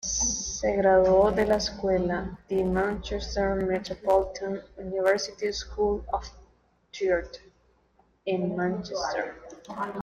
Se graduó en la escuela "The Manchester Metropolitan University School of Theatre" en Manchester.